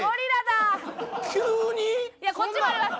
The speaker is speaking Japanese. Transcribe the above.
いやこっちもあります。